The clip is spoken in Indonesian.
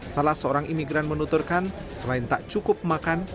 salah seorang imigran menuturkan selain tak cukup makan